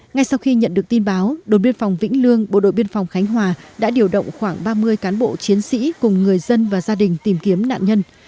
ngay sau khi nhận được tin báo đội biên phòng vĩnh lương bộ đội biên phòng khánh hòa đã điều động khoảng ba mươi cán bộ chiến sĩ cùng người dân và gia đình tìm kiếm nạn nhân